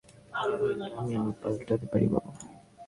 আমাকে এখানে বাঁধিয়া রাখিয়া যাও, তাহা হইলে আমি আর পলাইতে পারিব না।